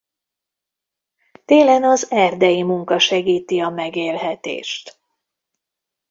Télen az erdei munka segíti a megélhetést.